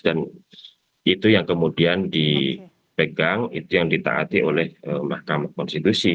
dan itu yang kemudian dipegang itu yang ditaati oleh mahkamah konstitusi